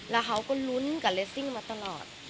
แล้วเขาก็ลุ้นกับเลสซิ่งมาตลอด